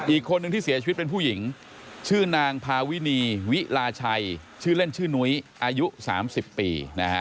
อีกคนนึงที่เสียชีวิตเป็นผู้หญิงชื่อนางพาวินีวิลาชัยชื่อเล่นชื่อนุ้ยอายุ๓๐ปี